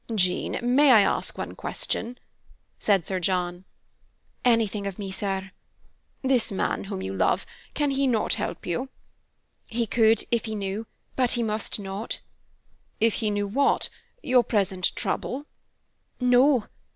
"Jean, may I ask one question?" said Sir John. "Anything of me, sir." "This man whom you love can he not help you?" "He could if he knew, but he must not." "If he knew what? Your present trouble?" "No.